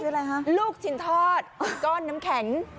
คืออะไรคะลูกชิ้นทอดก้อนน้ำแข็ง